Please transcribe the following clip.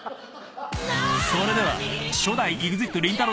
［それでは初代ＥＸＩＴりんたろー。